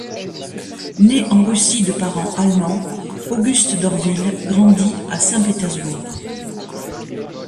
Né en Russie de parents allemands, Auguste d'Orville grandit à Saint-Pétersbourg.